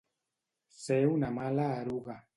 Ser una mala eruga.